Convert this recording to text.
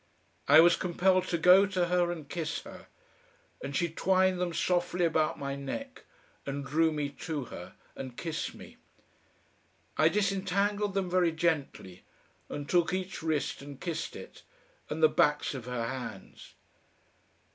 I was compelled to go to her and kiss her, and she twined them softly about my neck and drew me to her and kissed me. I disentangled them very gently, and took each wrist and kissed it, and the backs of her hands.